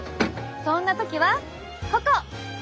そんな時はここ。